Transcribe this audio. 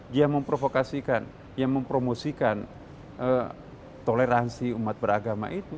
dia memprovokasikan yang mempromosikan toleransi umat beragama itu